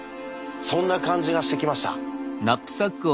そんな感じがしてきました。